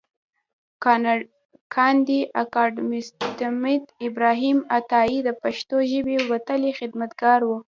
کاندي اکاډميسنمحمد ابراهیم عطایي د پښتو ژبې وتلی خدمتګار و.